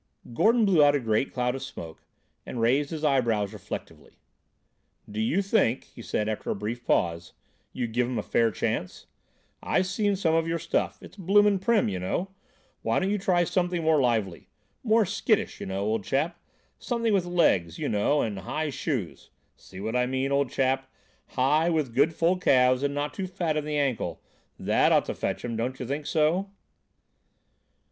Gordon blew out a great cloud of smoke, and raised his eyebrows reflectively. "Do you think," he said after a brief pause, "you give 'em a fair chance? I've seen some of your stuff. It's blooming prim, you know. Why don't you try something more lively? More skittish, you know, old chap; something with legs, you know, and high shoes. See what I mean, old chap? High with good full calves and not too fat in the ankle. That ought to fetch 'em; don't you think so?"